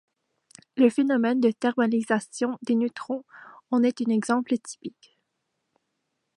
Le phénomène de thermalisation des neutrons en est un exemple typique.